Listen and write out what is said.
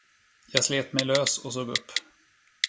Jag slet mig lös och såg upp.